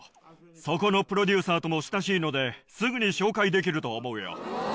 そこのプロデューサーとも親しいのですぐに紹介できると思うよ。